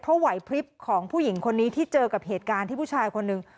เพราะไหวพลิบของผู้หญิงคนนี้ที่เจอกับเหตุการณ์ที่ผู้ชายคนหนึ่ง